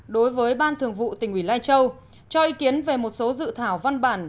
đối với ban thường vụ tỉnh ủy lai châu cho ý kiến về một số dự thảo văn bản